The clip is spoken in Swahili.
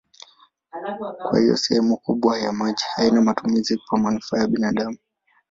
Kwa hiyo sehemu kubwa ya maji haina matumizi kwa manufaa ya binadamu.